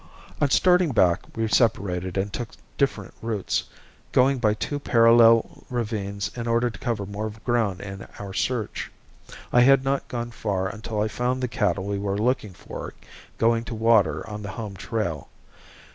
On starting back we separated and took different routes, going by two parallel ravines in order to cover more ground in our search. I had not gone far until I found the cattle we were looking for going to water on the home trail.